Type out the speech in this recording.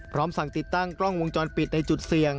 สั่งติดตั้งกล้องวงจรปิดในจุดเสี่ยง